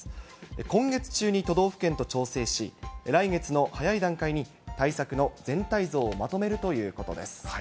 今月中に都道府県と調整し、来月の早い段階に対策の全体像をまとめるということです。